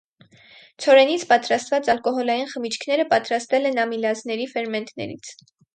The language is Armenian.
Ցորենից պատրաստված ալկոհոլային խմիչքները պատրաստել են ամիլազների ֆերմենտներից։